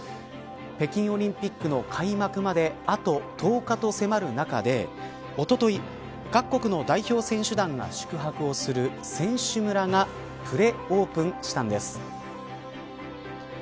北京オリンピックの開幕まであと１０日と迫る中でおととい各国の代表選手団が宿泊をする選手村がプレオープンしたんです。